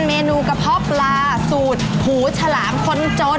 เมนูกระเพาะปลาสูตรหูฉลามคนจน